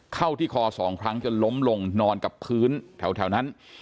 เข้าที่คอสองครั้งจนล้มลงนอนกับพื้นแถวนั้น